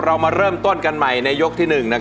เรามาเริ่มต้นกันใหม่ในยกที่หนึ่งนะครับ